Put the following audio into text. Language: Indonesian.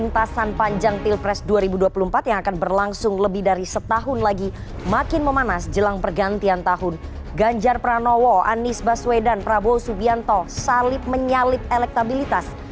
ganjar pranowo anies baswedan prabowo subianto salib menyalip elektabilitas